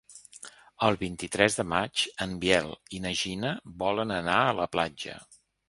El vint-i-tres de maig en Biel i na Gina volen anar a la platja.